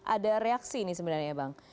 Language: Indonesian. ada reaksi ini sebenarnya bang